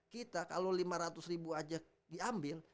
kita kalau lima ratus ribu aja diambil